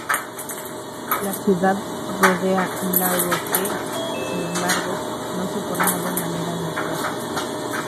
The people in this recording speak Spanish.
La ciudad rodea un lago que, sin embargo, no se formó de manera natural.